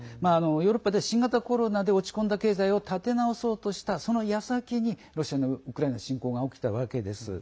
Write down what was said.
ヨーロッパで、新型コロナで落ち込んだ経済を立て直そうとした、そのやさきにロシアのウクライナ侵攻が起きたわけです。